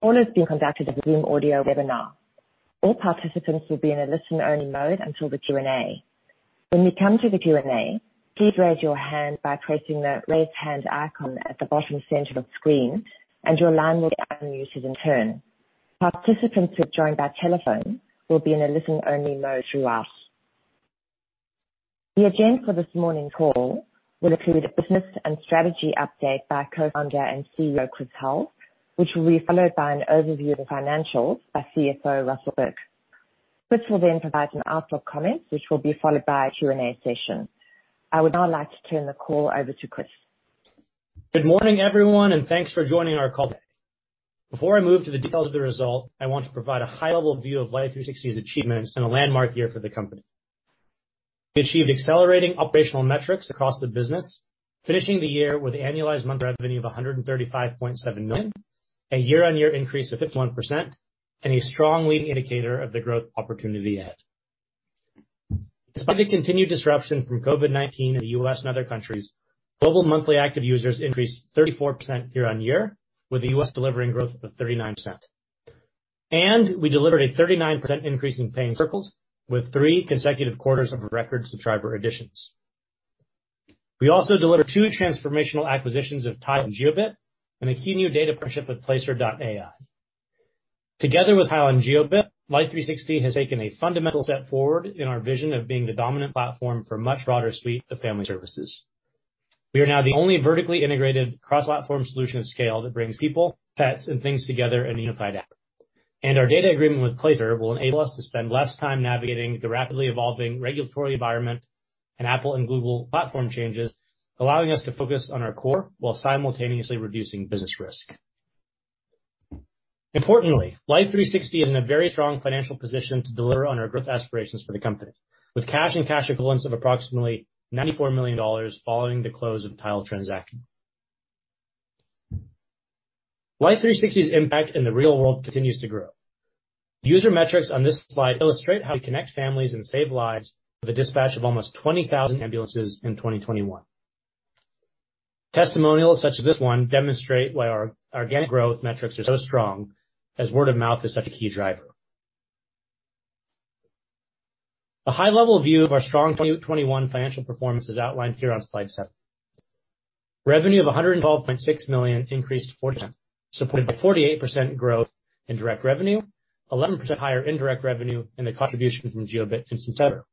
Call is being conducted as a Zoom audio webinar. All participants will be in a listen-only mode until the Q&A. When we come to the Q&A, please raise your hand by pressing the Raise Hand icon at the bottom center of the screen, and your line will be unmuted in turn. Participants who have joined by telephone will be in a listen-only mode throughout. The agenda for this morning's call will include a business and strategy update by Co-founder and CEO Chris Hulls, which will be followed by an overview of the financials by CFO Russell Burke, which will then provide some outlook comments, which will be followed by a Q&A session. I would now like to turn the call over to Chris. Good morning, everyone, and thanks for joining our call today. Before I move to the details of the result, I want to provide a high-level view of Life360's achievements in a landmark year for the company. We achieved accelerating operational metrics across the business, finishing the year with annualized monthly revenue of $135.7 million, a year-on-year increase of 51% and a strong leading indicator of the growth opportunity ahead. Despite the continued disruption from COVID-19 in the U.S. and other countries, global monthly active users increased 34% year-on-year, with the U.S. delivering growth of 39%. We delivered a 39% increase in paying circles, with three consecutive quarters of record subscriber additions. We also delivered two transformational acquisitions of Tile and Jiobit and a key new data partnership with Placer.ai. Together with Tile and Jiobit, Life360 has taken a fundamental step forward in our vision of being the dominant platform for a much broader suite of family services. We are now the only vertically integrated cross-platform solution of scale that brings people, pets, and things together in a unified app. Our data agreement with Placer.ai will enable us to spend less time navigating the rapidly evolving regulatory environment and Apple and Google platform changes, allowing us to focus on our core while simultaneously reducing business risk. Importantly, Life360 is in a very strong financial position to deliver on our growth aspirations for the company, with cash and cash equivalents of approximately $94 million following the close of the Tile transaction. Life360's impact in the real world continues to grow. User metrics on this slide illustrate how we connect families and save lives with a dispatch of almost 20,000 ambulances in 2021. Testimonials such as this one demonstrate why our organic growth metrics are so strong, as word of mouth is such a key driver. A high-level view of our strong 2021 financial performance is outlined here on slide seven. Revenue of $112.6 million increased 40%, supported by 48% growth in direct revenue, 11% higher indirect revenue, and the contribution from Jiobit and Tile.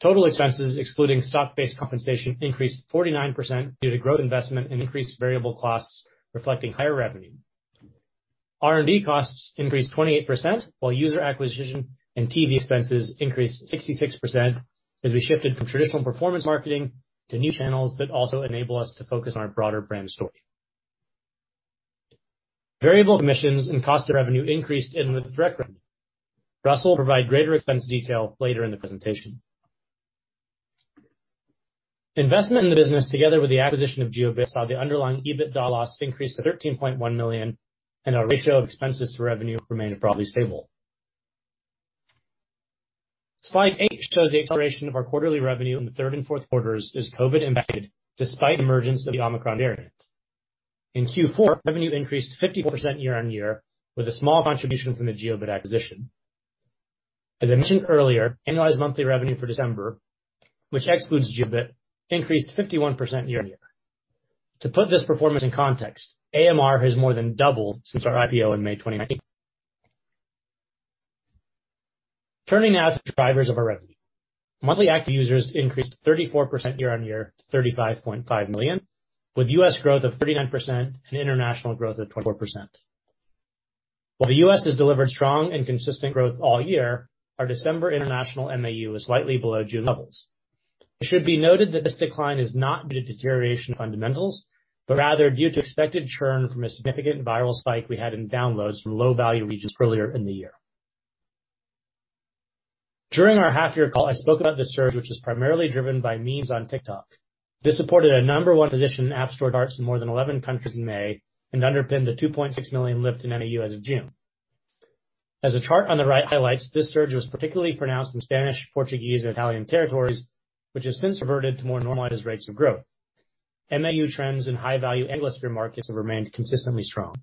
Total expenses, excluding stock-based compensation, increased 49% due to growth investment and increased variable costs reflecting higher revenue. R&D costs increased 28%, while user acquisition and TV expenses increased 66% as we shifted from traditional performance marketing to new channels that also enable us to focus on our broader brand story. Variable commissions and cost of revenue increased in the direct revenue. Russell will provide greater expense detail later in the presentation. Investment in the business, together with the acquisition of Jiobit, saw the underlying EBITDA loss increase to $13.1 million, and our ratio of expenses to revenue remained broadly stable. Slide eight shows the acceleration of our quarterly revenue in the third and fourth quarters is COVID impacted despite the emergence of the Omicron variant. In Q4, revenue increased 54% year-on-year, with a small contribution from the Jiobit acquisition. As I mentioned earlier, annualized monthly revenue for December, which excludes Jiobit, increased 51% year-on-year. To put this performance in context, AMR has more than doubled since our IPO in May 2019. Turning now to the drivers of our revenue. Monthly active users increased 34% year-on-year to 35.5 million, with U.S. growth of 39% and international growth of 24%. While the U.S. has delivered strong and consistent growth all year, our December international MAU is slightly below June levels. It should be noted that this decline is not due to deterioration of fundamentals, but rather due to expected churn from a significant viral spike we had in downloads from low-value regions earlier in the year. During our half-year call, I spoke about the surge, which was primarily driven by memes on TikTok. This supported a number one position in app store charts in more than 11 countries in May and underpinned the 2.6 million lift in MAU as of June. As the chart on the right highlights, this surge was particularly pronounced in Spanish, Portuguese, and Italian territories, which has since reverted to more normalized rates of growth. MAU trends in high-value Anglosphere markets have remained consistently strong.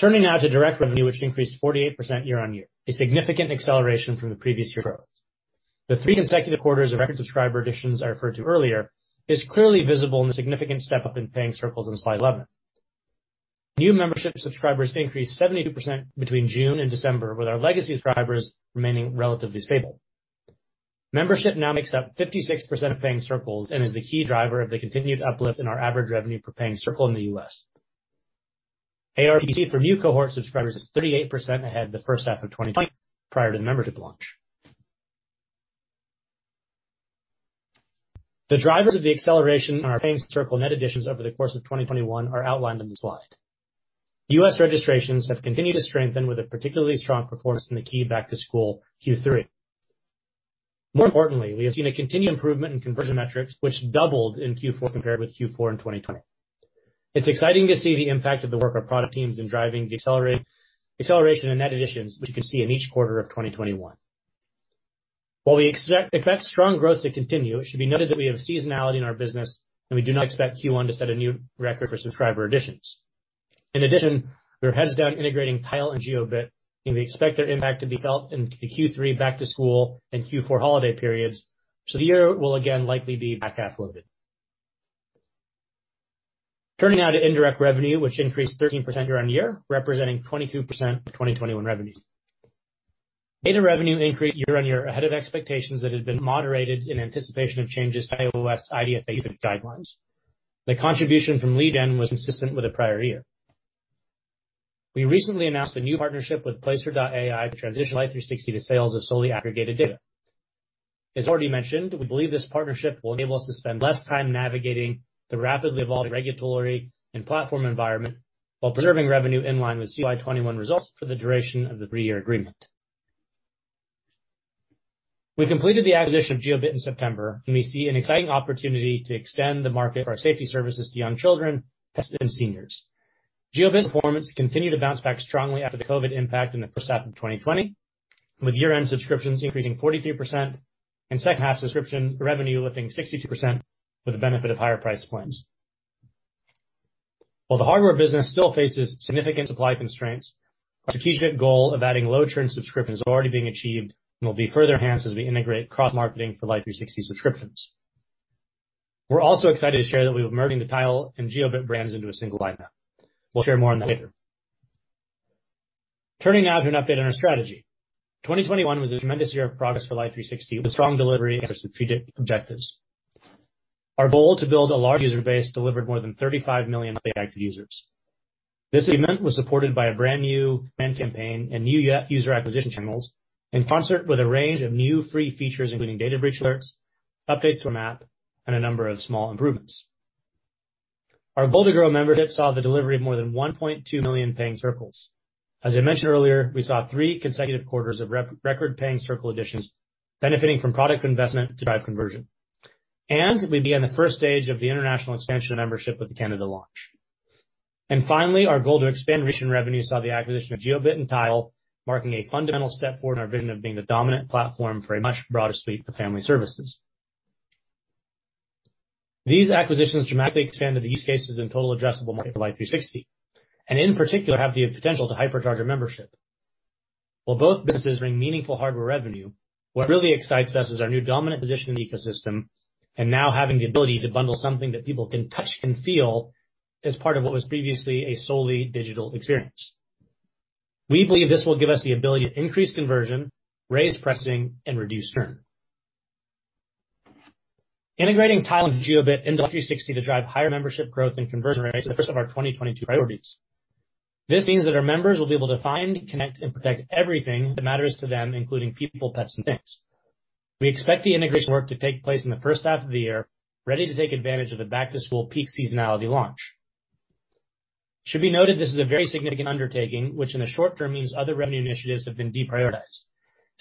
Turning now to direct revenue, which increased 48% year-on-year, a significant acceleration from the previous year growth. The three consecutive quarters of record subscriber additions I referred to earlier is clearly visible in the significant step up in paying circles in slide 11. New membership subscribers increased 72% between June and December, with our legacy subscribers remaining relatively stable. Membership now makes up 56% of paying circles and is the key driver of the continued uplift in our average revenue per paying circle in the U.S. ARPC for new cohort subscribers is 38% ahead of the first half of 2020, prior to the membership launch. The drivers of the acceleration in our paying circle net additions over the course of 2021 are outlined on this slide. U.S. registrations have continued to strengthen with a particularly strong performance in the key back-to-school Q3. More importantly, we have seen a continued improvement in conversion metrics which doubled in Q4 compared with Q4 in 2020. It's exciting to see the impact of the work of our product teams in driving the acceleration in net additions, which you can see in each quarter of 2021. While we expect strong growth to continue, it should be noted that we have seasonality in our business and we do not expect Q1 to set a new record for subscriber additions. In addition, we are heads down integrating Tile and Jiobit, and we expect their impact to be felt in the Q3 back-to-school and Q4 holiday periods, so the year will again likely be back-half loaded. Turning now to indirect revenue, which increased 13% year-on-year, representing 22% of 2021 revenue. Data revenue increased year-on-year ahead of expectations that had been moderated in anticipation of changes to iOS IDFA guidelines. The contribution from Arity was consistent with the prior year. We recently announced a new partnership with Placer.ai to transition Life360 to sales of solely aggregated data. As already mentioned, we believe this partnership will enable us to spend less time navigating the rapidly evolving regulatory and platform environment while preserving revenue in line with CY 2021 results for the duration of the three-year agreement. We completed the acquisition of Jiobit in September, and we see an exciting opportunity to extend the market for our safety services to young children, customers, and seniors. Jiobit's performance continued to bounce back strongly after the COVID-19 impact in the first half of 2020, with year-end subscriptions increasing 43% and second half subscription revenue lifting 62% with the benefit of higher price points. While the hardware business still faces significant supply constraints, our strategic goal of adding low churn subscriptions is already being achieved and will be further enhanced as we integrate cross-marketing for Life360 subscriptions. We're also excited to share that we are merging the Tile and Jiobit brands into a single lineup. We'll share more on that later. Turning now to an update on our strategy. 2021 was a tremendous year of progress for Life360 with strong delivery against our strategic objectives. Our goal to build a large user base delivered more than 35 million monthly active users. This event was supported by a brand new brand campaign and new user acquisition channels in concert with a range of new free features, including data breach alerts, updates to our map, and a number of small improvements. Our Gold and grow membership saw the delivery of more than 1.2 million paying circles. As I mentioned earlier, we saw three consecutive quarters of record paying circle additions benefiting from product investment to drive conversion. We began the first stage of the international expansion membership with the Canada launch. Finally, our goal to expand recurring revenue saw the acquisition of Jiobit and Tile, marking a fundamental step forward in our vision of being the dominant platform for a much broader suite of family services. These acquisitions dramatically expanded the use cases in total addressable market for Life360, and in particular, have the potential to hyper-charge our membership. While both businesses bring meaningful hardware revenue, what really excites us is our new dominant position in the ecosystem and now having the ability to bundle something that people can touch and feel as part of what was previously a solely digital experience. We believe this will give us the ability to increase conversion, raise pricing, and reduce churn. Integrating Tile and Jiobit into Life360 to drive higher membership growth and conversion rates is the first of our 2022 priorities. This means that our members will be able to find, connect, and protect everything that matters to them, including people, pets, and things. We expect the integration work to take place in the first half of the year, ready to take advantage of the back-to-school peak seasonality launch. It should be noted this is a very significant undertaking, which in the short term means other revenue initiatives have been deprioritized.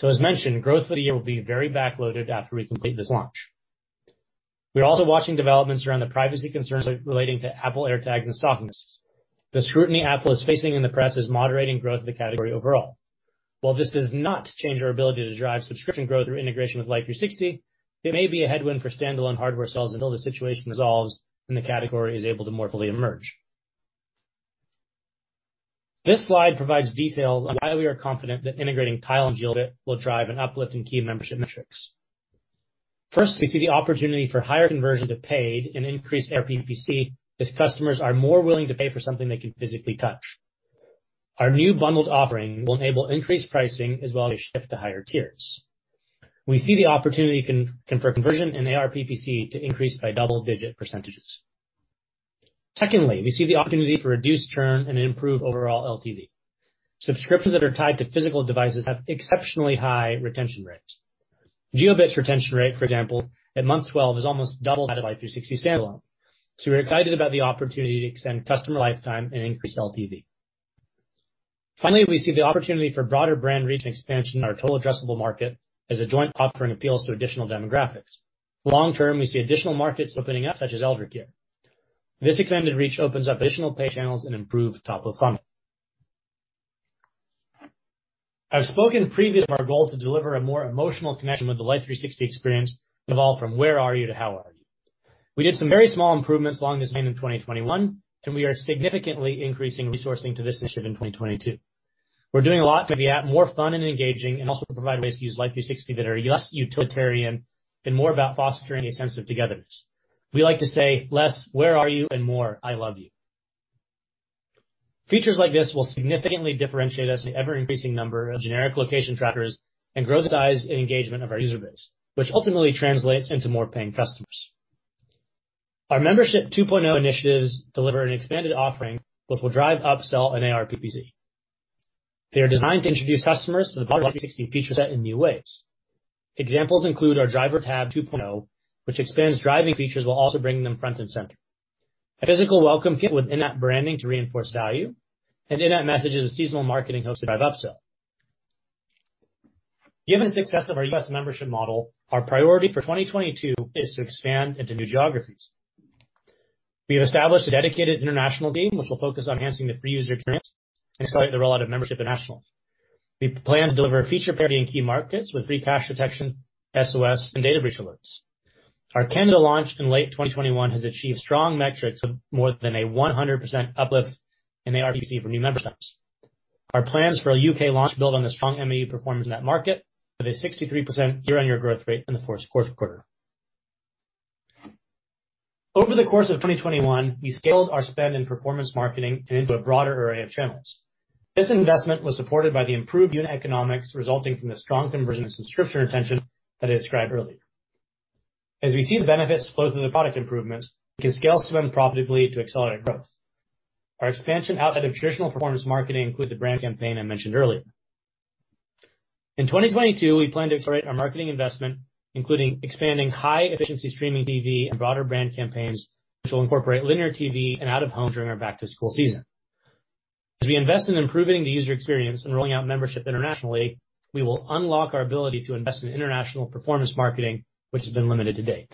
As mentioned, growth for the year will be very back-loaded after we complete this launch. We are also watching developments around the privacy concerns relating to Apple AirTags and stalking risks. The scrutiny Apple is facing in the press is moderating growth of the category overall. While this does not change our ability to drive subscription growth through integration with Life360, it may be a headwind for standalone hardware sales until the situation resolves and the category is able to more fully emerge. This slide provides details on why we are confident that integrating Tile and Jiobit will drive an uplift in key membership metrics. First, we see the opportunity for higher conversion to paid and increased ARPPC as customers are more willing to pay for something they can physically touch. Our new bundled offering will enable increased pricing as well as shift to higher tiers. We see the opportunity for conversion and ARPPC to increase by double-digit %. Secondly, we see the opportunity to reduce churn and improve overall LTV. Subscriptions that are tied to physical devices have exceptionally high retention rates. Jiobit's retention rate, for example, at month 12 is almost double that of Life360 standalone. We're excited about the opportunity to extend customer lifetime and increase LTV. Finally, we see the opportunity for broader brand reach and expansion in our total addressable market as a joint offering appeals to additional demographics. Long term, we see additional markets opening up, such as elder care. This extended reach opens up additional pay channels and improved top-of-funnel. I've spoken previously about our goal to deliver a more emotional connection with the Life360 experience and evolve from where are you to how are you. We did some very small improvements along this vein in 2021, and we are significantly increasing resourcing to this initiative in 2022. We're doing a lot to make the app more fun and engaging, and also to provide ways to use Life360 that are less utilitarian and more about fostering a sense of togetherness. We like to say less, "Where are you?" and more, "I love you." Features like this will significantly differentiate us in ever-increasing number of generic location trackers and grow the size and engagement of our user base, which ultimately translates into more paying customers. Our Membership 2.0 initiatives deliver an expanded offering, which will drive upsell and ARPPC. They are designed to introduce customers to the Life360 feature set in new ways. Examples include our driver tab 2.0, which expands driving features while also bringing them front and center. A physical welcome kit with in-app branding to reinforce value and in-app messages and seasonal marketing hooks to drive upsell. Given the success of our U.S. membership model, our priority for 2022 is to expand into new geographies. We have established a dedicated international team which will focus on enhancing the free user experience and starting the rollout of membership international. We plan to deliver feature parity in key markets with free crash detection, SOS, and data breach alerts. Our Canada launch in late 2021 has achieved strong metrics of more than a 100% uplift in the RPC for new memberships. Our plans for a U.K. launch build on the strong MAU performance in that market, with a 63% year-on-year growth rate in the fourth quarter. Over the course of 2021, we scaled our spend in performance marketing and into a broader array of channels. This investment was supported by the improved unit economics resulting from the strong conversion of subscription retention that I described earlier. As we see the benefits flow through the product improvements, we can scale spend profitably to accelerate growth. Our expansion outside of traditional performance marketing include the brand campaign I mentioned earlier. In 2022, we plan to accelerate our marketing investment, including expanding high-efficiency streaming TV and broader brand campaigns, which will incorporate linear TV and out-of-home during our back-to-school season. As we invest in improving the user experience and rolling out membership internationally, we will unlock our ability to invest in international performance marketing, which has been limited to date.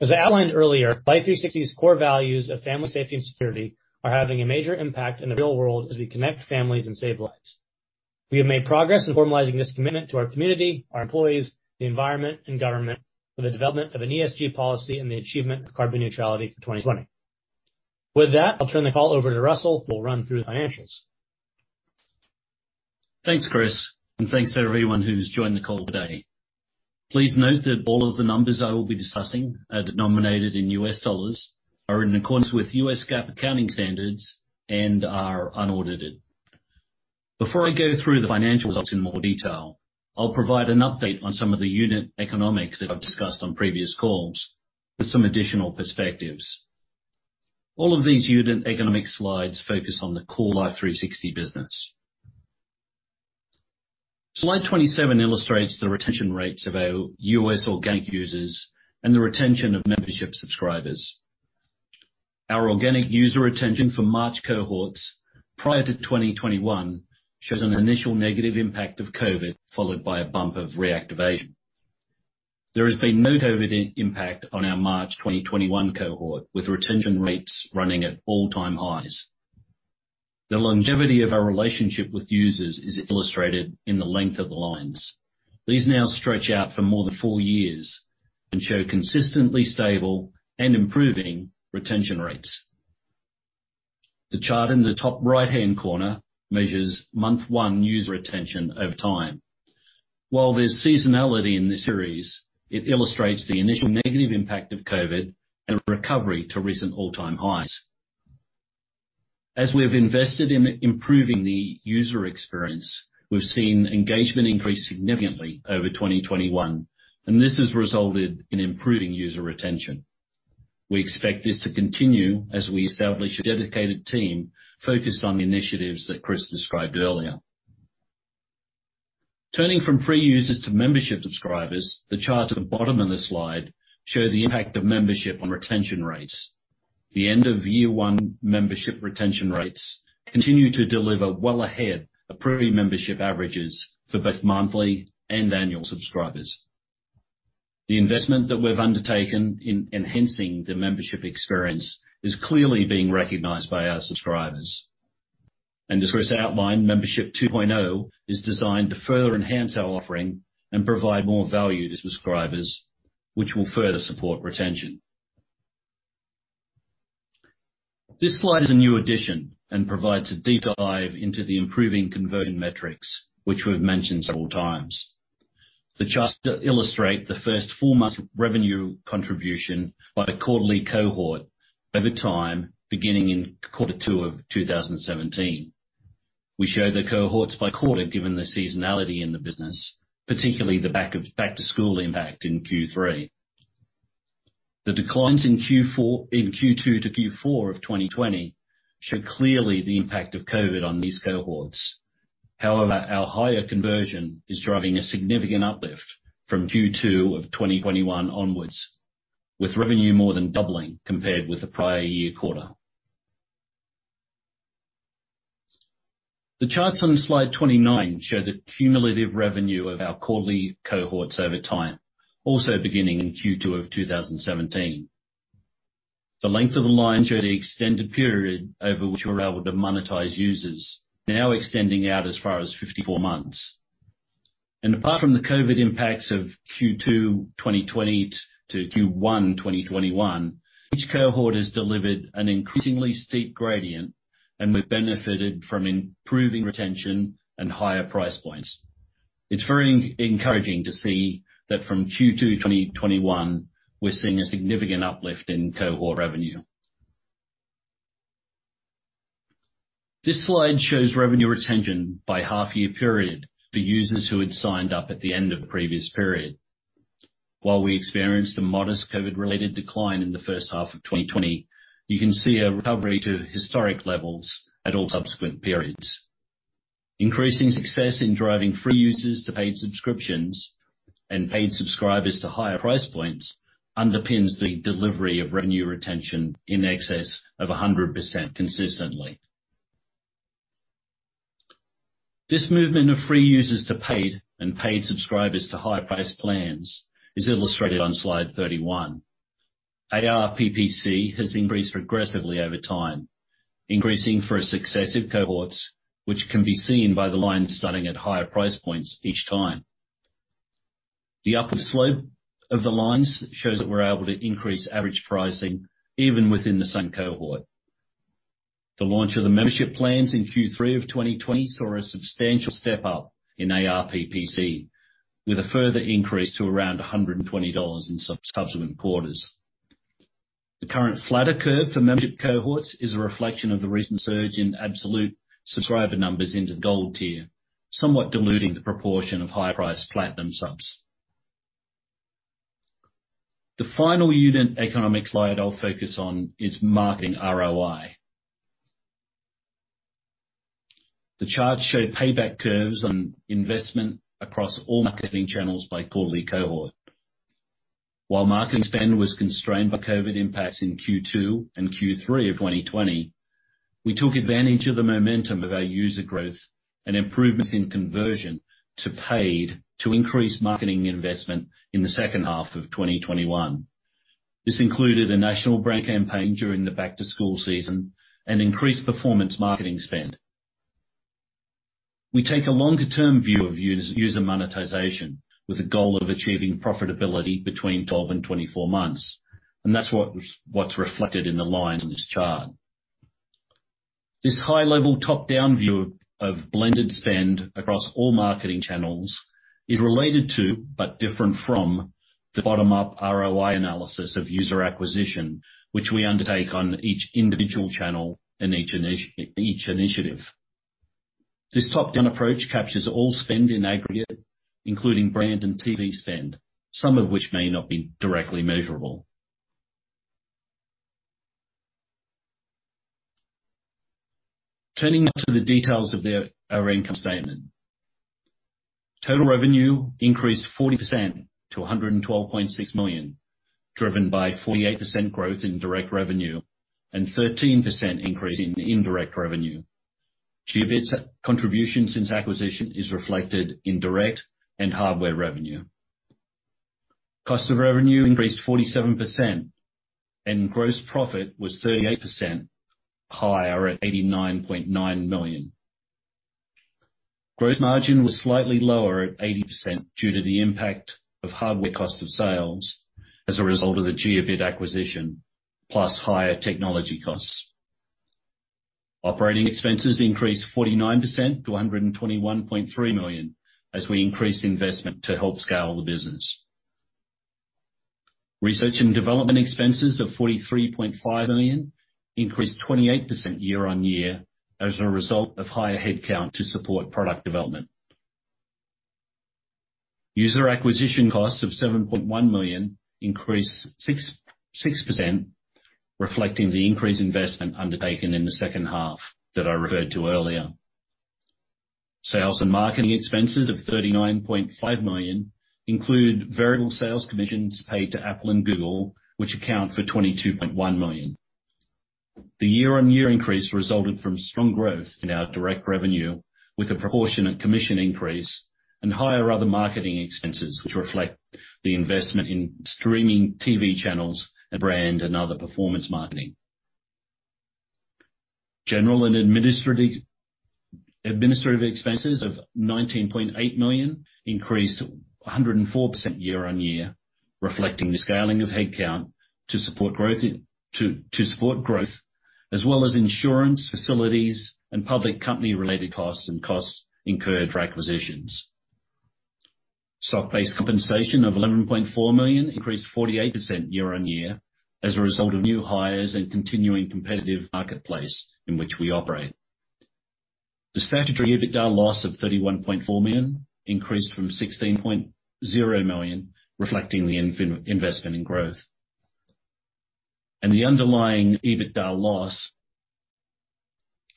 As I outlined earlier, Life360's core values of family safety and security are having a major impact in the real world as we connect families and save lives. We have made progress in formalizing this commitment to our community, our employees, the environment and government for the development of an ESG policy and the achievement of carbon neutrality for 2020. With that, I'll turn the call over to Russell, who will run through the financials. Thanks, Chris, and thanks to everyone who's joined the call today. Please note that all of the numbers I will be discussing are denominated in U.S. dollars, are in accordance with U.S. GAAP accounting standards, and are unaudited. Before I go through the financial results in more detail, I'll provide an update on some of the unit economics that I've discussed on previous calls with some additional perspectives. All of these unit economic slides focus on the core Life360 business. Slide 27 illustrates the retention rates of our U.S. organic users and the retention of membership subscribers. Our organic user retention for March cohorts prior to 2021 shows an initial negative impact of COVID, followed by a bump of reactivation. There has been no COVID impact on our March 2021 cohort, with retention rates running at all-time highs. The longevity of our relationship with users is illustrated in the length of the lines. These now stretch out for more than four years and show consistently stable and improving retention rates. The chart in the top right-hand corner measures month-one user retention over time. While there's seasonality in this series, it illustrates the initial negative impact of COVID and recovery to recent all-time highs. As we have invested in improving the user experience, we've seen engagement increase significantly over 2021, and this has resulted in improving user retention. We expect this to continue as we establish a dedicated team focused on the initiatives that Chris described earlier. Turning from free users to membership subscribers, the charts at the bottom of this slide show the impact of membership on retention rates. The end-of-year one membership retention rates continue to deliver well ahead of pre-membership averages for both monthly and annual subscribers. The investment that we've undertaken in enhancing the membership experience is clearly being recognized by our subscribers. As Chris outlined, Membership 2.0 is designed to further enhance our offering and provide more value to subscribers, which will further support retention. This slide is a new addition and provides a deep dive into the improving conversion metrics, which we've mentioned several times, the charts that illustrate the first four months of revenue contribution by the quarterly cohort over time, beginning in quarter two of 2017. We show the cohorts by quarter, given the seasonality in the business, particularly the back of back-to-school impact in Q3. The declines in Q2-Q4 of 2020 show clearly the impact of COVID on these cohorts. However, our higher conversion is driving a significant uplift from Q2 of 2021 onwards, with revenue more than doubling compared with the prior year quarter. The charts on slide 29 show the cumulative revenue of our quarterly cohorts over time, also beginning in Q2 of 2017. The length of the line show the extended period over which we're able to monetize users, now extending out as far as 54 months. Apart from the COVID impacts of Q2 2020-Q1 2021, each cohort has delivered an increasingly steep gradient, and we've benefited from improving retention and higher price points. It's very encouraging to see that from Q2 2021, we're seeing a significant uplift in cohort revenue. This slide shows revenue retention by half-year period for users who had signed up at the end of the previous period. While we experienced a modest COVID-related decline in the first half of 2020, you can see a recovery to historic levels at all subsequent periods. Increasing success in driving free users to paid subscriptions and paid subscribers to higher price points underpins the delivery of revenue retention in excess of 100% consistently. This movement of free users to paid and paid subscribers to high-priced plans is illustrated on slide 31. ARPPC has increased progressively over time, increasing for successive cohorts, which can be seen by the line starting at higher price points each time. The upward slope of the lines shows that we're able to increase average pricing even within the same cohort. The launch of the membership plans in Q3 of 2020 saw a substantial step up in ARPPC with a further increase to around $120 in subsequent quarters. The current flatter curve for membership cohorts is a reflection of the recent surge in absolute subscriber numbers into Gold tier, somewhat diluting the proportion of high-priced Platinum subs. The final unit economics slide I'll focus on is marketing ROI. The charts show payback curves on investment across all marketing channels by quarterly cohort. While marketing spend was constrained by COVID impacts in Q2 and Q3 of 2020, we took advantage of the momentum of our user growth and improvements in conversion to paid to increase marketing investment in the second half of 2021. This included a national brand campaign during the back-to-school season and increased performance marketing spend. We take a longer-term view of U.S. user monetization with the goal of achieving profitability between 12 and 24 months, and that's what's reflected in the lines on this chart. This high level top-down view of blended spend across all marketing channels is related to, but different from, the bottom-up ROI analysis of user acquisition, which we undertake on each individual channel and each initiative. This top-down approach captures all spend in aggregate, including brand and TV spend, some of which may not be directly measurable. Turning now to the details of our income statement. Total revenue increased 40% to $112.6 million, driven by 48% growth in direct revenue and 13% increase in indirect revenue. Jiobit's contribution since acquisition is reflected in direct and hardware revenue. Cost of revenue increased 47%, and gross profit was 38% higher at $89.9 million. Gross margin was slightly lower at 80% due to the impact of hardware cost of sales as a result of the Jiobit acquisition, plus higher technology costs. Operating expenses increased 49% to $121.3 million as we increased investment to help scale the business. Research and development expenses of $43.5 million increased 28% year-on-year as a result of higher headcount to support product development. User acquisition costs of $7.1 million increased 66%, reflecting the increased investment undertaken in the second half that I referred to earlier. Sales and marketing expenses of $39.5 million include variable sales commissions paid to Apple and Google, which account for $22.1 million. The year-on-year increase resulted from strong growth in our direct revenue with a proportionate commission increase and higher other marketing expenses, which reflect the investment in streaming TV channels and brand and other performance marketing. General and administrative expenses of $19.8 million increased 104% year-on-year, reflecting the scaling of headcount to support growth as well as insurance, facilities, and public company-related costs, and costs incurred for acquisitions. Stock-based compensation of $11.4 million increased 48% year-on-year as a result of new hires and continuing competitive marketplace in which we operate. The statutory EBITDA loss of $31.4 million increased from $16.0 million, reflecting the investment in growth. The underlying EBITDA loss,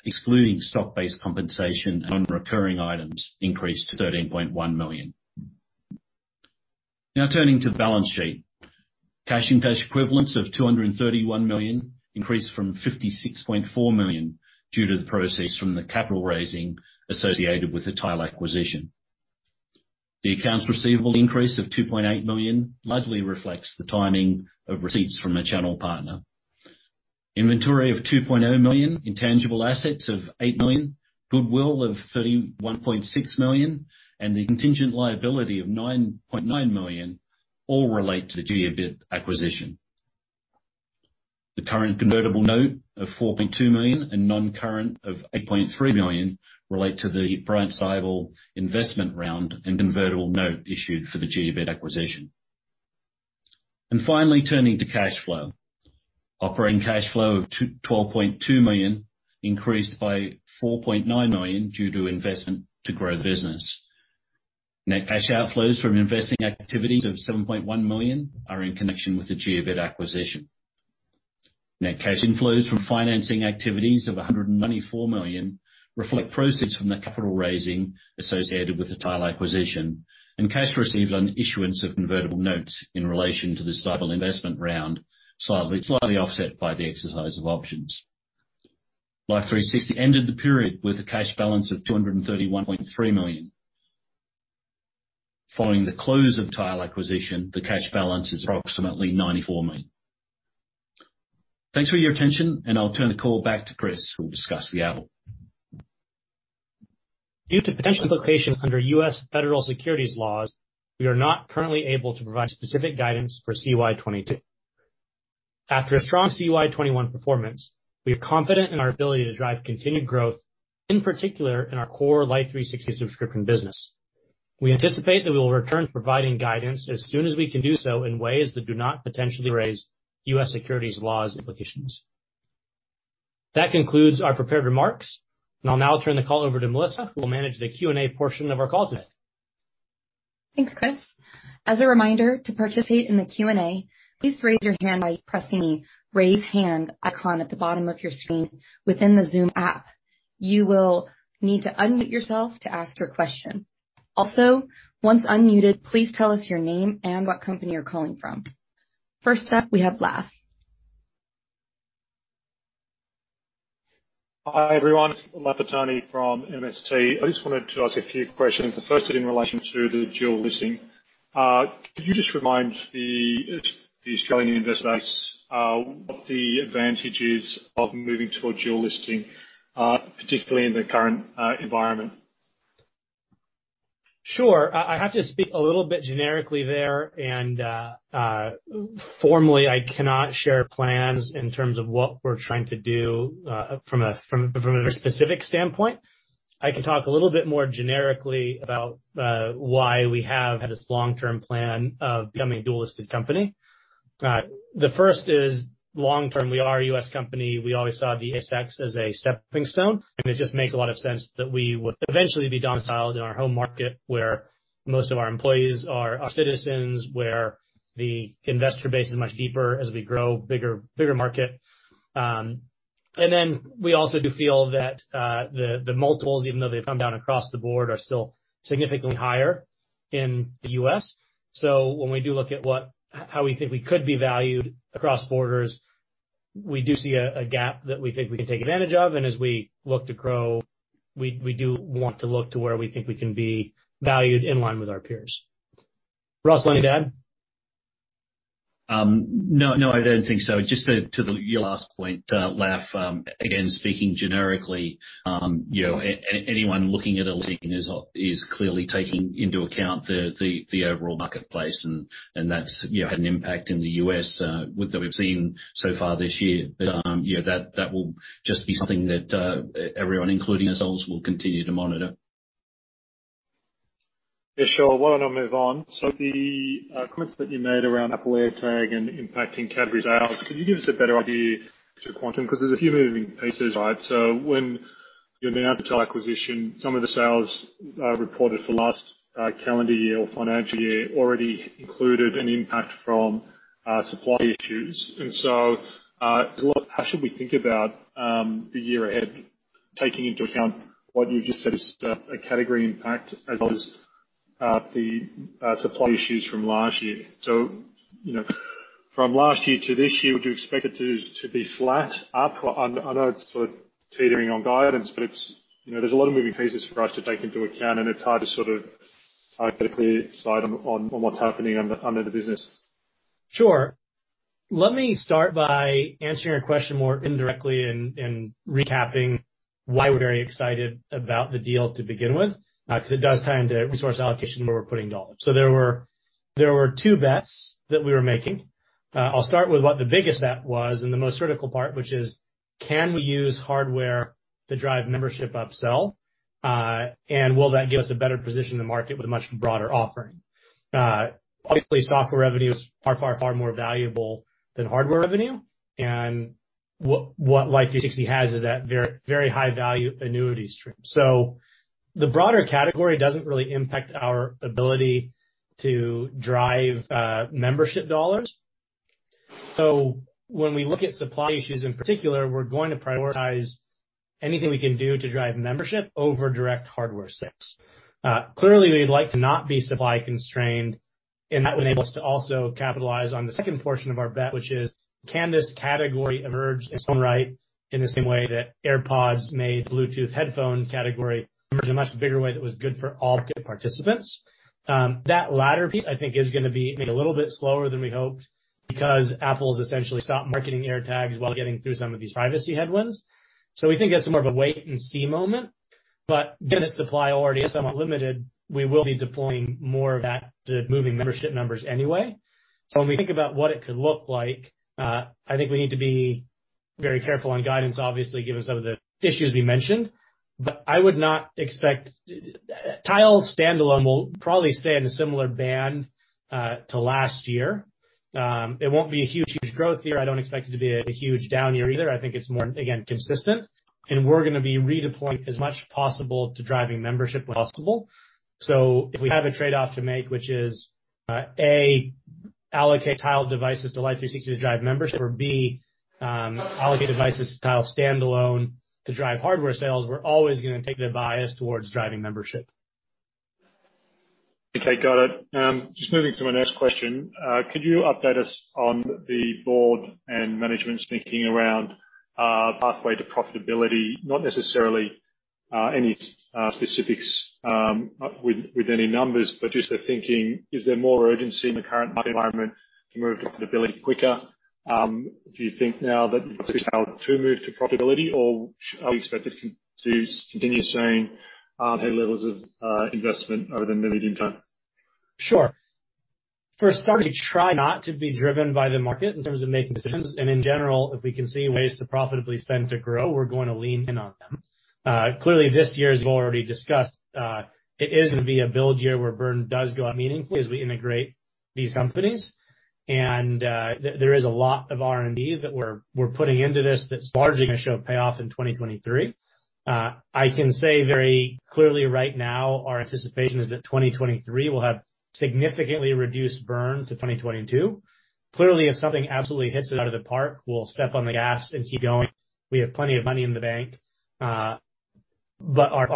excluding stock-based compensation on recurring items, increased to $13.1 million. Now turning to the balance sheet. Cash and cash equivalents of $231 million increased from $56.4 million due to the proceeds from the capital raising associated with the Tile acquisition. The accounts receivable increase of $2.8 million largely reflects the timing of receipts from the channel partner. Inventory of $2.0 million, intangible assets of $8 million, goodwill of $31.6 million, and the contingent liability of $9.9 million all relate to the Jiobit acquisition. The current convertible note of $4.2 million and non-current of $8.3 million relate to the private placement investment round and convertible note issued for the Jiobit acquisition. Finally, turning to cash flow. Operating cash flow of $12.2 million increased by $4.9 million due to investment to grow the business. Net cash outflows from investing activities of $7.1 million are in connection with the Jiobit acquisition. Net cash inflows from financing activities of $194 million reflect proceeds from the capital raising associated with the Tile acquisition, and cash received on issuance of convertible notes in relation to this Tile investment round, slightly offset by the exercise of options. Life360 ended the period with a cash balance of $231.3 million. Following the close of Tile acquisition, the cash balance is approximately $94 million. Thanks for your attention, and I'll turn the call back to Chris, who will discuss the outlook. Due to potential implications under U.S. federal securities laws, we are not currently able to provide specific guidance for CY 2022. After a strong CY 2021 performance, we are confident in our ability to drive continued growth, in particular in our core Life360 subscription business. We anticipate that we will return to providing guidance as soon as we can do so in ways that do not potentially raise U.S. securities laws implications. That concludes our prepared remarks, and I'll now turn the call over to Melissa, who will manage the Q&A portion of our call today. Thanks, Chris. As a reminder, to participate in the Q&A, please raise your hand by pressing the Raise Hand icon at the bottom of your screen within the Zoom app. You will need to unmute yourself to ask your question. Also, once unmuted, please tell us your name and what company you're calling from. First up, we have Laf. Hi, everyone. It's Lafitani from MST. I just wanted to ask a few questions. The first is in relation to the dual listing. Could you just remind the Australian investor base what the advantage is of moving toward dual listing, particularly in the current environment? Sure. I have to speak a little bit generically there and formally, I cannot share plans in terms of what we're trying to do from a specific standpoint. I can talk a little bit more generically about why we have had this long-term plan of becoming a dual-listed company. The first is long-term, we are a U.S. company. We always saw the ASX as a stepping stone, and it just makes a lot of sense that we would eventually be domiciled in our home market, where most of our employees are citizens, where the investor base is much deeper as we grow bigger market. We also do feel that the multiples, even though they've come down across the board, are still significantly higher in the U.S. When we do look at how we think we could be valued across borders, we do see a gap that we think we can take advantage of. As we look to grow, we do want to look to where we think we can be valued in line with our peers. Russell, anything to add? No, I don't think so. Just to your last point, Laf, again, speaking generically, you know, anyone looking at a listing is clearly taking into account the overall marketplace and that's, you know, had an impact in the U.S. with what we've seen so far this year. You know, that will just be something that everyone, including ourselves, will continue to monitor. Yeah, sure. Why don't I move on? The comments that you made around Apple AirTag and impacting category sales, could you give us a better idea to quantum? 'Cause there's a few moving pieces, right? When the Tile acquisition, some of the sales reported for last calendar year or financial year already included an impact from supply issues. There's a lot. How should we think about the year ahead, taking into account what you've just said has a category impact as well as the supply issues from last year? From last year to this year, do you expect it to be flat? Up? I know it's sort of teetering on guidance, but it's, you know, there's a lot of moving pieces for us to take into account, and it's hard to sort of hypothetically decide on what's happening under the business. Sure. Let me start by answering your question more indirectly and recapping why we're very excited about the deal to begin with. 'Cause it does tie into resource allocation, where we're putting dollars. There were two bets that we were making. I'll start with what the biggest bet was and the most critical part, which is. Can we use hardware to drive membership upsell, and will that give us a better position in the market with a much broader offering? Obviously, software revenue is far, far, far more valuable than hardware revenue. What Life360 has is that very high value annuity stream. The broader category doesn't really impact our ability to drive membership dollars. When we look at supply issues, in particular, we're going to prioritize anything we can do to drive membership over direct hardware sales. Clearly, we'd like to not be supply constrained, and that would enable us to also capitalize on the second portion of our bet, which is: Can this category emerge in its own right in the same way that AirPods made Bluetooth headphone category emerge in a much bigger way that was good for all participants? That latter piece, I think, is gonna be maybe a little bit slower than we hoped because Apple's essentially stopped marketing AirTags while getting through some of these privacy headwinds. We think that's more of a wait-and-see moment. Given that supply already is somewhat limited, we will be deploying more of that to moving membership numbers anyway. When we think about what it could look like, I think we need to be very careful on guidance, obviously, given some of the issues we mentioned. I would not expect. Tile standalone will probably stay in a similar band to last year. It won't be a huge growth year. I don't expect it to be a huge down year either. I think it's more, again, consistent, and we're gonna be redeploying as much possible to driving membership possible. If we have a trade-off to make, which is, A, allocate Tile devices to Life360 to drive membership, or B, allocate devices to Tile standalone to drive hardware sales, we're always gonna take the bias towards driving membership. Okay, got it. Just moving to my next question. Could you update us on the board and management's thinking around pathway to profitability, not necessarily any specifics with any numbers, but just the thinking. Is there more urgency in the current market environment to move to profitability quicker? Do you think now that you've failed to move to profitability, or are we expected to continue seeing high levels of investment over the medium term? Sure. For a start, we try not to be driven by the market in terms of making decisions. In general, if we can see ways to profitably spend to grow, we're going to lean in on them. Clearly, this year, as we've already discussed, it is gonna be a build year where burn does go up meaningfully as we integrate these companies. There is a lot of R&D that we're putting into this that's largely gonna show payoff in 2023. I can say very clearly right now our anticipation is that 2023 will have significantly reduced burn to 2022. Clearly, if something absolutely hits it out of the park, we'll step on the gas and keep going. We have plenty of money in the bank. Our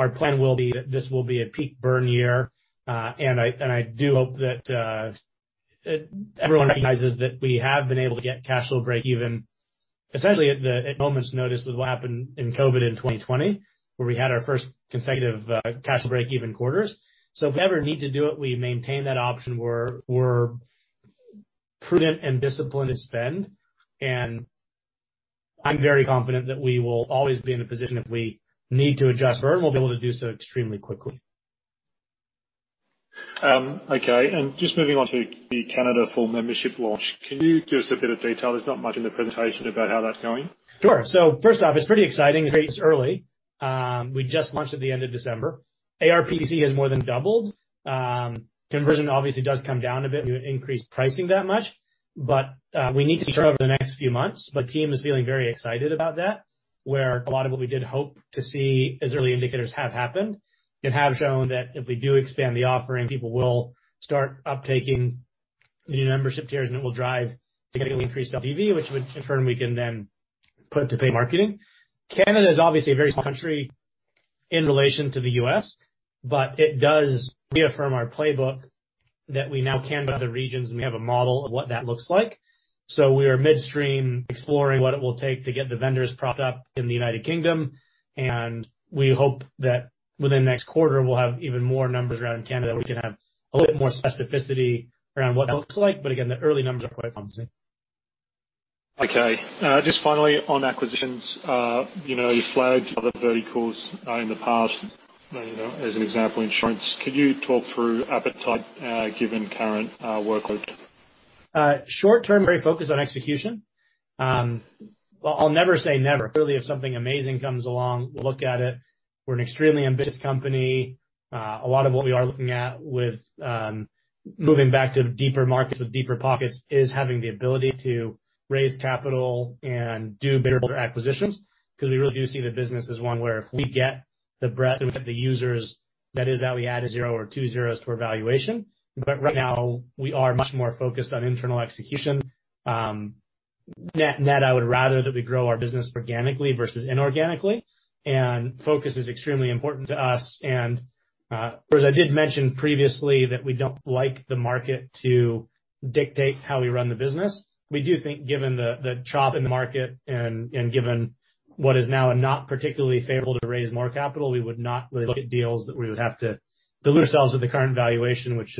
plan will be that this will be a peak burn year. I do hope that everyone recognizes that we have been able to get cash flow breakeven, essentially at moment's notice with what happened in COVID in 2020, where we had our first consecutive cash breakeven quarters. If we ever need to do it, we maintain that option. We're prudent and disciplined in spend. I'm very confident that we will always be in a position if we need to adjust burn, we'll be able to do so extremely quickly. Okay. Just moving on to the Canada full membership launch. Can you give us a bit of detail? There's not much in the presentation about how that's going. First off, it's pretty exciting. It's very early. We just launched at the end of December. ARPC has more than doubled. Conversion obviously does come down a bit when you increase pricing that much. We need to see over the next few months, but the team is feeling very excited about that, where a lot of what we did hope to see as early indicators have happened and have shown that if we do expand the offering, people will start taking up the new membership tiers, and it will drive significantly increased LTV, which would confirm we can then pivot to paid marketing. Canada is obviously a very small country in relation to the U.S., but it does reaffirm our playbook that we now can go to other regions, and we have a model of what that looks like. We are midstream exploring what it will take to get the vendors propped up in the United Kingdom. We hope that within the next quarter, we'll have even more numbers around Canada. We can have a little bit more specificity around what that looks like. Again, the early numbers are quite promising. Okay. Just finally on acquisitions, you know, you flagged other verticals in the past, you know, as an example, insurance. Could you talk through appetite, given current workload? Short-term, very focused on execution. I'll never say never. Clearly, if something amazing comes along, we'll look at it. We're an extremely ambitious company. A lot of what we are looking at with moving back to deeper markets with deeper pockets is having the ability to raise capital and do bigger acquisitions because we really do see the business as one where if we get the breadth, we get the users, that is how we add a zero or two zeros to our valuation. Right now, we are much more focused on internal execution. Net-net, I would rather that we grow our business organically versus inorganically, and focus is extremely important to us. Of course, I did mention previously that we don't like the market to dictate how we run the business. We do think, given the chop in the market and given what is now not particularly favorable to raise more capital, we would not really look at deals that we would have to dilute ourselves at the current valuation, which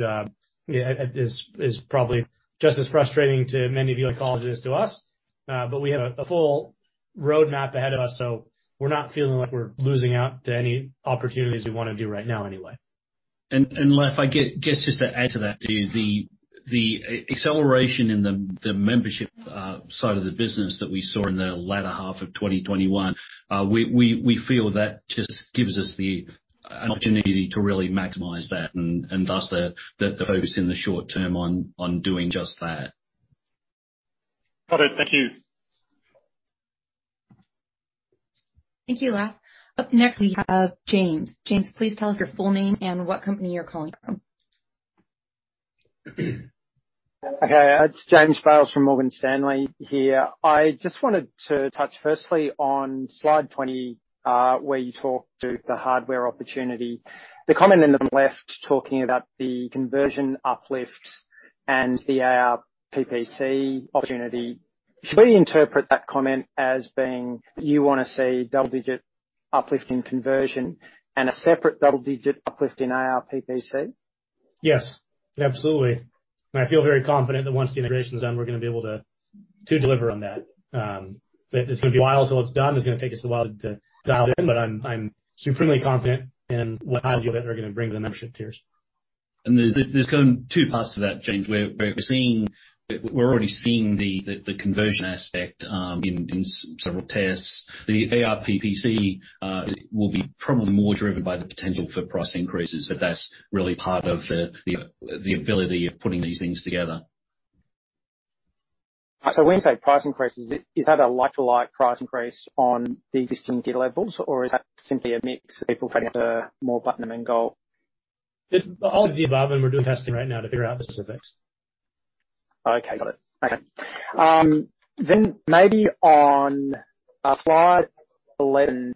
is probably just as frustrating to many of you on the call as it is to us. We have a full roadmap ahead of us, so we're not feeling like we're losing out to any opportunities we wanna do right now anyway. Laf, I guess just to add to that too, the acceleration in the membership side of the business that we saw in the latter half of 2021, we feel that just gives us the opportunity to really maximize that and thus the focus in the short term on doing just that. Got it. Thank you. Thank you, Laf. Up next, we have James. James, please tell us your full name and what company you're calling from. Okay, it's James Bales from Morgan Stanley here. I just wanted to touch firstly on slide 20, where you talk about the hardware opportunity. The comment on the left talking about the conversion uplifts and the ARPPC opportunity. Should we interpret that comment as being you wanna see double-digit uplift in conversion and a separate double-digit uplift in ARPPC? Yes, absolutely. I feel very confident that once the integration is done, we're gonna be able to deliver on that. It's gonna be a while till it's done. It's gonna take us a while to dial it in, but I'm supremely confident in what I view they're gonna bring to the membership tiers. There's kind of two parts to that, James. We're already seeing the conversion aspect in several tests. The ARPPC will be probably more driven by the potential for price increases, but that's really part of the ability of putting these things together. When you say price increases, is that a like-for-like price increase on the existing tier levels, or is that simply a mix of people paying for more Platinum and Gold? It's all of the above, and we're doing testing right now to figure out the specifics. Okay, got it. Maybe on slide 11,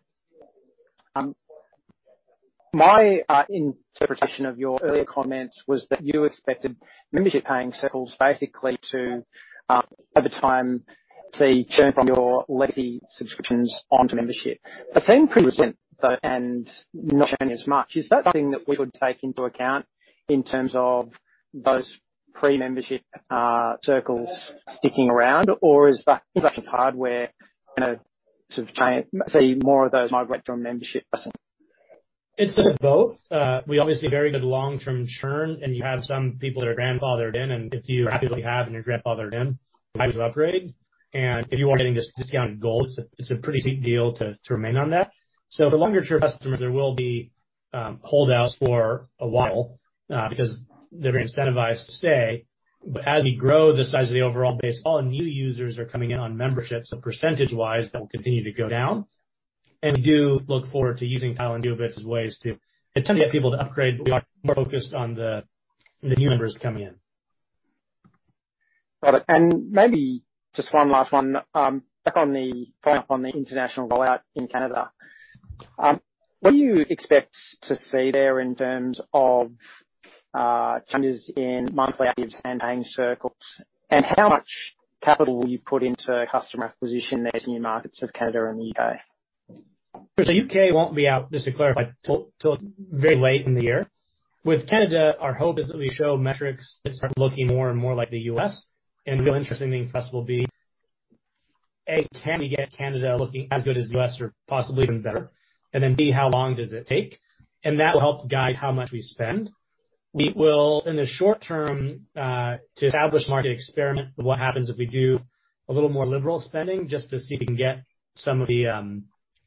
my interpretation of your earlier comments was that you expected membership paying circles basically to over time see churn from your legacy subscriptions onto membership. They seem pretty recent, though, and not churning as much. Is that something that we should take into account in terms of those pre-membership circles sticking around? Or is that hardware, you know, sort of try and see more of those migrate to our membership? It's a bit of both. We obviously have very good long-term churn, and you have some people that are grandfathered in, and if you're grandfathered in, you might as well upgrade. If you are getting this discounted Gold, it's a pretty sweet deal to remain on that. For longer-term customers, there will be holdouts for a while, because they're incentivized to stay. As we grow the size of the overall base, all new users are coming in on membership, so percentage-wise, that will continue to go down. We do look forward to using Tile and Jiobit as ways to attempt to get people to upgrade. We are more focused on the new members coming in. Got it. Maybe just one last one. Back on the point on the international rollout in Canada. What do you expect to see there in terms of changes in monthly actives and paying circles? How much capital will you put into customer acquisition there to new markets of Canada and the U.K.? U.K. won't be out, just to clarify, till very late in the year. With Canada, our hope is that we show metrics that start looking more and more like the U.S. The real interesting thing for us will be, A, can we get Canada looking as good as the U.S. or possibly even better? B, how long does it take? That will help guide how much we spend. We will, in the short term, to establish market experiment, what happens if we do a little more liberal spending just to see if we can get some of the,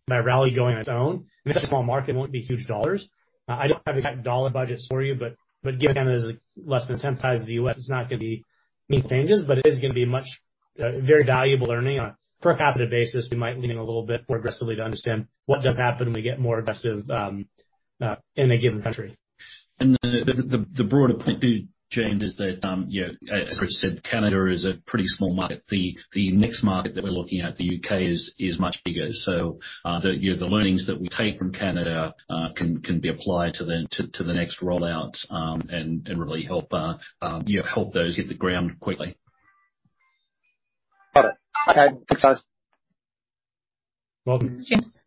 that rally going on its own. It's such a small market, it won't be huge dollars. I don't have the exact dollar budgets for you, but given Canada is less than 10 times the size of the U.S., it's not gonna be huge changes, but it is gonna be much, very valuable learning. On a per capita basis, we might lean a little bit more aggressively to understand what does happen when we get more aggressive in a given country. The broader point too, James, is that you know, as Chris said, Canada is a pretty small market. The next market that we're looking at, the U.K., is much bigger. You know, the learnings that we take from Canada can be applied to the next rollouts and really help those hit the ground quickly. Got it. Okay. Thanks, guys. Welcome. Thanks.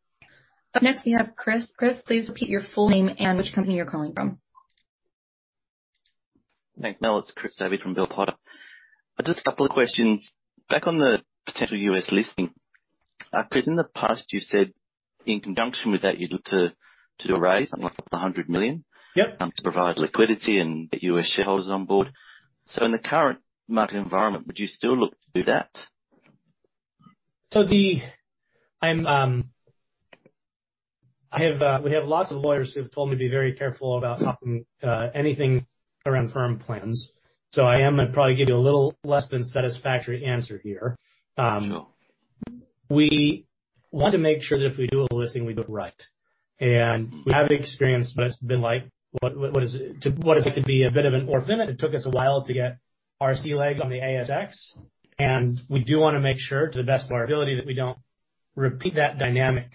Up next, we have Chris. Chris, please repeat your full name and which company you're calling from. Thank you. It's Chris Savage from Bell Potter. Just a couple of questions. Back on the potential U.S. listing. Chris, in the past you said in conjunction with that, you'd look to do a raise, something like $100 million. Yep. To provide liquidity and get U.S. shareholders on board. In the current market environment, would you still look to do that? We have lots of lawyers who have told me to be very careful about talking anything around firm plans. I am gonna probably give you a little less than satisfactory answer here. Sure. We want to make sure that if we do a listing, we do it right. We haven't experienced what it's been like to be a bit of an orphan. It took us a while to get our sea legs on the ASX, and we do wanna make sure to the best of our ability that we don't repeat that dynamic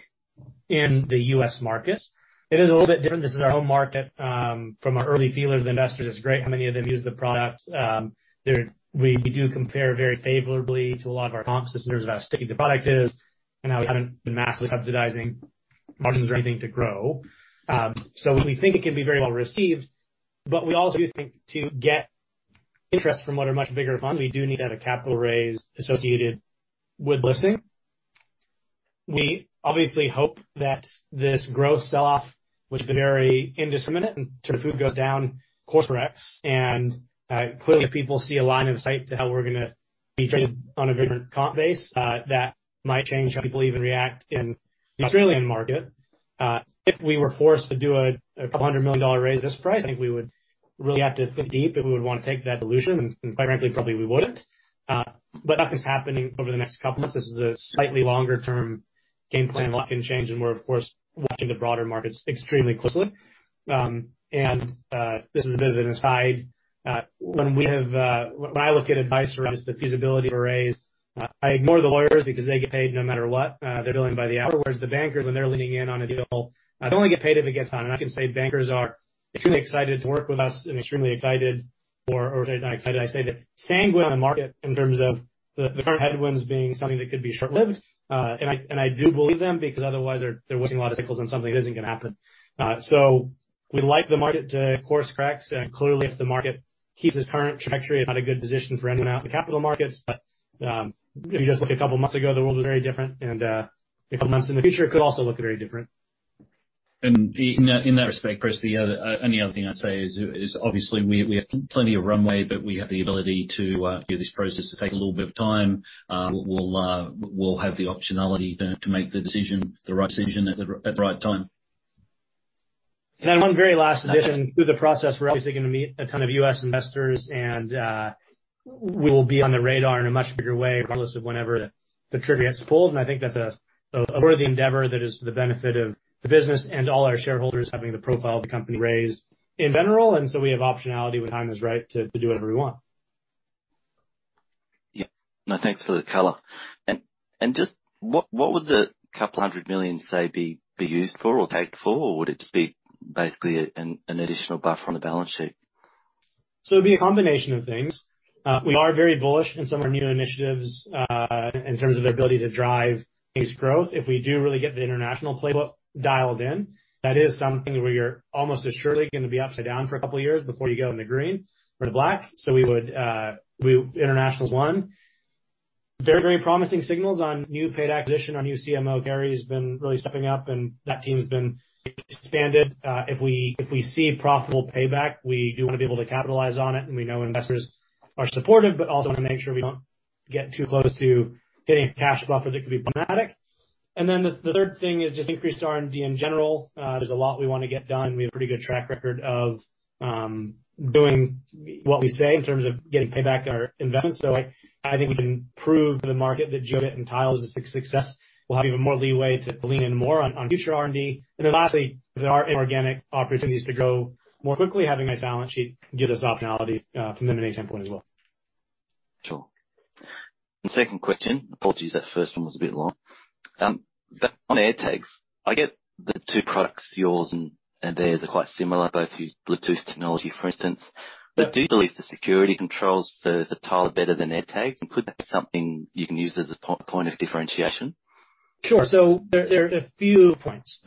in the U.S. markets. It is a little bit different. This is our home market, from our early feelers. The investors, it's great how many of them use the product. We do compare very favorably to a lot of our comps in terms of how sticky the product is, and how we haven't been massively subsidizing margins or anything to grow. We think it can be very well received, but we also do think to get interest from what are much bigger funds, we do need to have a capital raise associated with listing. We obviously hope that this growth sell-off, which has been very indiscriminate and sort of goes down, course correct. Clearly if people see a line of sight to how we're gonna be trading on a different comp base, that might change how people even react in the Australian market. If we were forced to do a couple hundred million dollar raise at this price, I think we would really have to think deep if we would wanna take that dilution, and quite frankly, probably we wouldn't. Nothing's happening over the next couple of months. This is a slightly longer term game plan. A lot can change, and we're of course watching the broader markets extremely closely. This is a bit of an aside. When I look at advice around the feasibility to raise, I ignore the lawyers because they get paid no matter what. They're billing by the hour. Whereas the bankers, when they're leaning in on a deal, they only get paid if it gets done. I can say bankers are extremely excited to work with us and extremely excited, I say that sanguine on the market in terms of the current headwinds being something that could be short-lived. I do believe them because otherwise they're wasting a lot of cycles on something that isn't gonna happen. We'd like the market to course correct. Clearly if the market keeps this current trajectory, it's not a good position for anyone out in the capital markets. If you just look a couple of months ago, the world was very different and a couple months in the future it could also look very different. In that respect, Chris, the other only other thing I'd say is obviously we have plenty of runway, but we have the ability to give this process to take a little bit of time. We'll have the optionality to make the decision, the right decision at the right time. One very last addition. Through the process, we're obviously gonna meet a ton of U.S. investors and we will be on the radar in a much bigger way regardless of whenever the trigger gets pulled. I think that's a worthy endeavor that is for the benefit of the business and all our shareholders having the profile of the company raised in general. We have optionality when time is right to do whatever we want. Yeah. No, thanks for the color. Just what would the couple hundred million, say, be used for or paid for? Or would it just be basically an additional buffer on the balance sheet? It'd be a combination of things. We are very bullish in some of our new initiatives, in terms of their ability to drive this growth. If we do really get the international playbook dialed in, that is something where you're almost assuredly gonna be upside down for a couple of years before you go in the green or the black. International is one. Very, very promising signals on new paid acquisition. Our new CMO, Gary, has been really stepping up, and that team's been expanded. If we see profitable payback, we do wanna be able to capitalize on it. We know investors are supportive, but also want to make sure we don't get too close to hitting a cash buffer that could be problematic. The third thing is just increased R&D in general. There's a lot we wanna get done. We have a pretty good track record of doing what we say in terms of getting payback on our investments. I think we can prove to the market that Jiobit and Tile is a success. We'll have even more leeway to lean in more on future R&D. Then lastly, if there are any organic opportunities to grow more quickly, having a balance sheet gives us optionality from the M&A standpoint as well. Sure. Second question. Apologies, that first one was a bit long. On AirTags, I get the two products, yours and theirs are quite similar, both use Bluetooth technology, for instance. Do you believe the security controls for the Tile are better than AirTags? Could that be something you can use as a point of differentiation? Sure. There are a few points.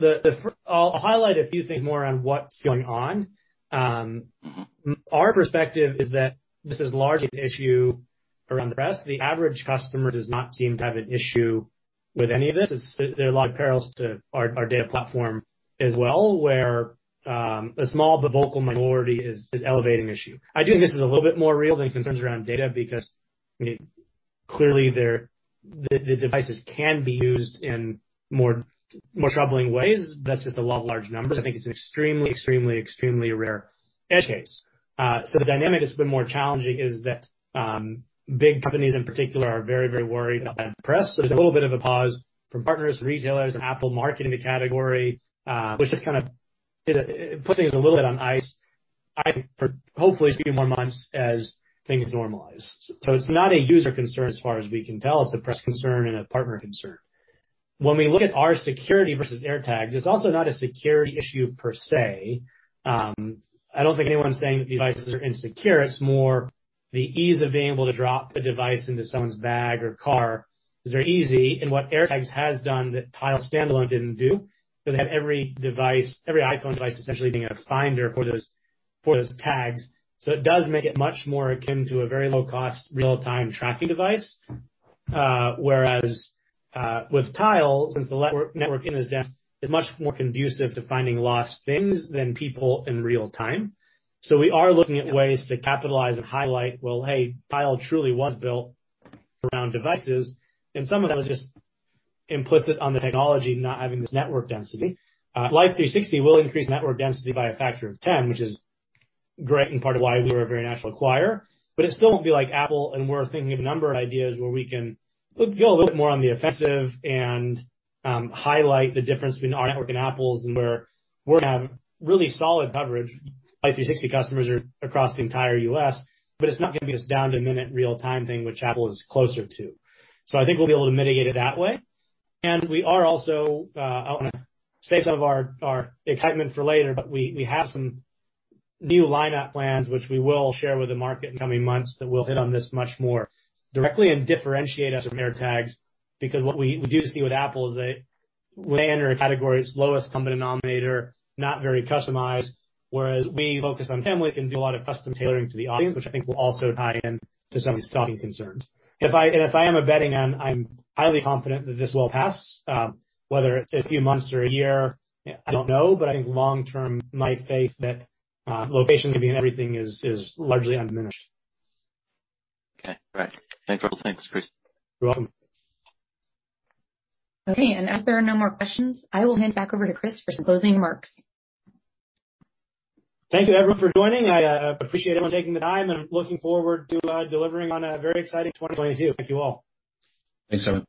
I'll highlight a few things more on what's going on. Our perspective is that this is largely an issue around the press. The average customer does not seem to have an issue with any of this. There are a lot of parallels to our data platform as well, where a small but vocal minority is elevating the issue. I do think this is a little bit more real than concerns around data because, I mean, clearly the devices can be used in more troubling ways. That's just the law of large numbers. I think it's an extremely rare edge case. The dynamic that's been more challenging is that big companies in particular are very worried about the press. There's a little bit of a pause from partners, retailers, and Apple marketing the category, which just kind of put things a little bit on ice. I think for hopefully it's gonna be more months as things normalize. So it's not a user concern as far as we can tell. It's a press concern and a partner concern. When we look at our security versus AirTags, it's also not a security issue per se. I don't think anyone's saying the devices are insecure. It's more the ease of being able to drop a device into someone's bag or car is very easy. What AirTags has done that Tile standalone didn't do, because they have every device, every iPhone device, essentially being a finder for those, for those tags. So it does make it much more akin to a very low cost real-time tracking device. Whereas, with Tile, since the network is much more conducive to finding lost things than people in real time. We are looking at ways to capitalize and highlight, well, hey, Tile truly was built around devices, and some of that was just implicit on the technology not having this network density. Life360 will increase network density by a factor of 10, which is great and part of why we were a very natural acquisition. It still won't be like Apple, and we're thinking of a number of ideas where we can go a little bit more on the offensive and highlight the difference between our network and Apple's, and where we're gonna have really solid coverage. Life360 customers are across the entire U.S., but it's not gonna be this down to the minute real-time thing, which Apple is closer to. I think we'll be able to mitigate it that way. We are also. I wanna save some of our excitement for later, but we have some new lineup plans which we will share with the market in the coming months that will hit on this much more directly and differentiate us from AirTags. Because what we do see with Apple is they land in a category's lowest common denominator, not very customized, whereas we focus on families and do a lot of custom tailoring to the audience, which I think will also tie in to some of these stalking concerns. If I am a betting man, I'm highly confident that this will pass. Whether it takes a few months or a year, I don't know. I think long term, my faith that location can be in everything is largely undiminished. Okay. All right. Thanks. Thanks, Chris. You're welcome. Okay. As there are no more questions, I will hand it back over to Chris for some closing remarks. Thank you everyone for joining. I appreciate everyone taking the time, and I'm looking forward to delivering on a very exciting 2022. Thank you all. Thanks everyone.